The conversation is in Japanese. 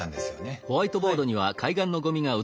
はい。